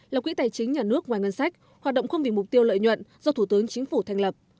là quỹ tài chính nhà nước ngoài ngân sách hoạt động không vì mục tiêu lợi nhuận do thủ tướng chính phủ thành lập